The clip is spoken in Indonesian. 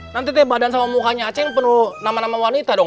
nanti deh badan sama mukanya a ceng penuh nama nama wanita dong